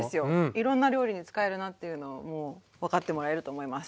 いろんな料理に使えるなっていうのをもう分かってもらえると思います。